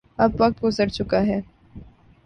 اب وقت گزر چکا ہے۔